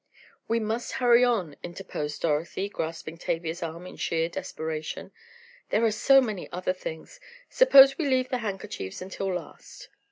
"We must hurry on," interposed Dorothy, grasping Tavia's arm in sheer desperation, "there are so many other things, suppose we leave the handkerchiefs until last?"